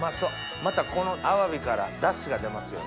またこのアワビから出汁が出ますよね。